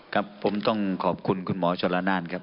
ครับผมต้องขอบคุณคุณหมอชนละนานครับ